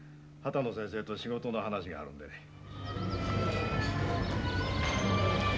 秦野先生と仕事の話があるんでね。